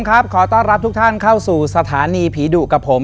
ขอต้อนรับทุกท่านเข้าสู่สถานีผีดุกับผม